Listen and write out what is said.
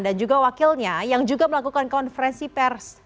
dan juga wakilnya yang juga melakukan konferensi pers